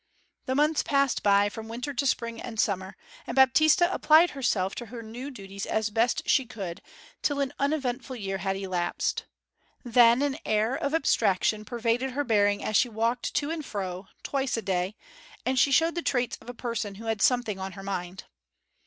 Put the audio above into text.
The months passed by from winter to spring and summer, and Baptista applied herself to her new duties as best she could, till an uneventful year had elapsed. Then an air of abstraction pervaded her bearing as she walked to and fro, twice a day, and she showed the traits of a person who had something on her mind.